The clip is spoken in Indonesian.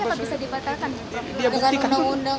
dibatalkan dia buktikan undang undang